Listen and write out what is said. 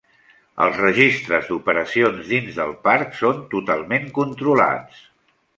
Els registres d'operacions dins del parc són totalment controlats.